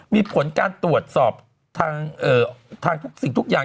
มีผลการตรวจสอบทางทุกสิ่งทุกอย่าง